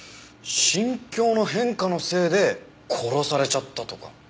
心境の変化のせいで殺されちゃったとか？